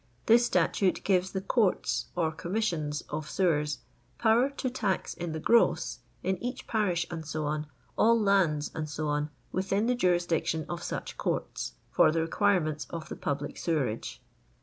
This statute gives the "Courts" or "Commissions" of Sewers, power '* to tax in the gross'* in each parish, &c., all lands, &c., within the jurisdiction of such courts, for the requirements of the public sewerage.